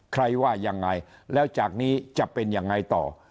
ว่ายังไงแล้วจากนี้จะเป็นยังไงต่อ